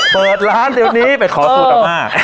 เผิดร้านแถวนี้ไปขอสุดอ่ามา